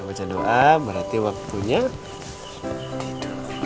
baca doa berarti waktunya